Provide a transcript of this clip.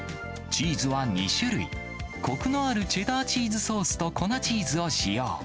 チーズは２種類、こくのあるチェダーチーズソースと粉チーズを使用。